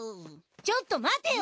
ちょっと待てよ！